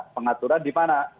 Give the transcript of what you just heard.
pengaturan di mana